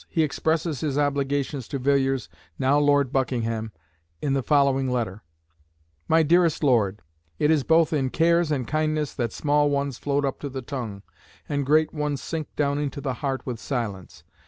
He expresses his obligations to Villiers, now Lord Buckingham, in the following letter: "MY DEAREST LORD, It is both in cares and kindness that small ones float up to the tongue, and great ones sink down into the heart with silence.